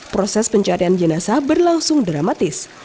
proses pencarian jenazah berlangsung dramatis